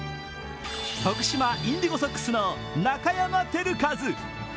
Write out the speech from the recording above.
徳島インディゴソックスの中山晶量。